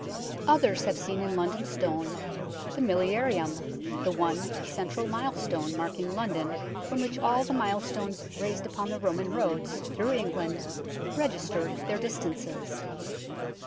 Others have seen in London Stone the milli arium, the one central milestone marking London from which all the milestones raised upon the Roman roads through England registered their distances.